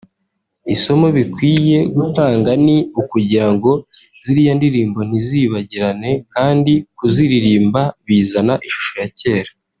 Isomo bikwiye gutanga ni ukugira ngo ziriya ndirimbo ntizizibagirane kandi kuziririmba bizana ishusho ya kera